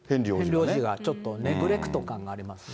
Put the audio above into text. ヘンリー王子がちょっとネグレクト感がありますね。